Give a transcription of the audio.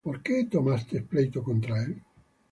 ¿Por qué tomaste pleito contra él?